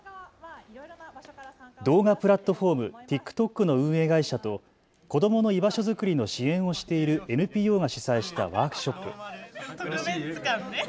動画プラットフォーム、ＴｉｋＴｏｋの運営会社と子どもの居場所作りの支援をしているＮＰＯが主催したワークショップ。